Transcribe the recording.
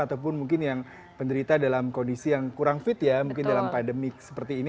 ataupun mungkin yang penderita dalam kondisi yang kurang fit ya mungkin dalam pandemi seperti ini